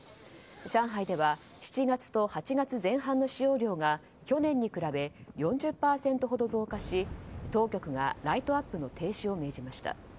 上海では７月と８月前半の使用量が去年に比べ４０％ほど増加し当局がライトアップの停止を命じました。